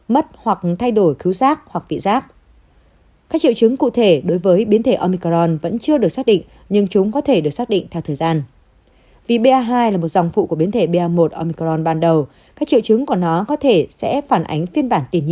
mất hoặc thay đổi và các triệu chứng chính của covid một mươi chín tiếp tục là sốt ho liên tục